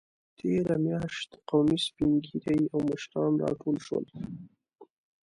تېره میاشت قومي سپینږیري او مشران راټول شول.